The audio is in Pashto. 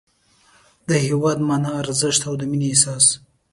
د هېواد مانا، ارزښت او د مینې احساس